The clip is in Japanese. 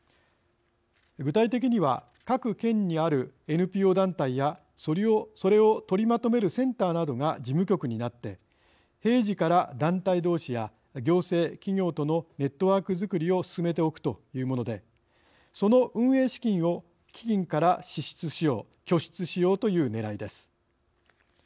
具体的には各県にあるＮＰＯ団体やそれを取りまとめるセンターなどが事務局になって平時から団体どうしや行政企業とのネットワークづくりを進めておくというものでその運営資金を基金から拠出しようというねらいです。